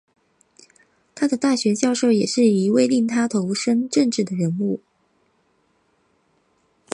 他的大学教授也是一位令他投身政治的人物。